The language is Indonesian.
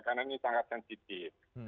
karena ini sangat sensitif